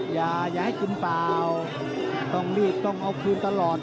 อย่าให้กินเปล่าต้องรีบต้องเอาคืนตลอด